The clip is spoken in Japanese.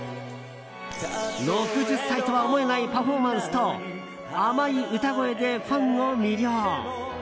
６０歳とは思えないパフォーマンスと甘い歌声でファンを魅了。